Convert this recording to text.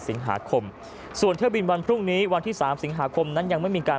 สิงหาคมส่วนเที่ยวบินวันพรุ่งนี้วันที่สามสิงหาคมนั้นยังไม่มีการ